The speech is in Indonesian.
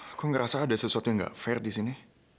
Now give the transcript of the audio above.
aku ngerasa ada sesuatu yang gak fair di sini